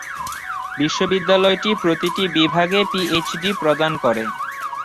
বিশ্ববিদ্যালয়টি প্রতিটি বিভাগে পিএইচডি প্রদান করে।